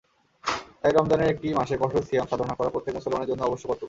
তাই রমজানের একটি মাসে কঠোর সিয়াম সাধনা করা প্রত্যেক মুসলমানের জন্য অবশ্যকর্তব্য।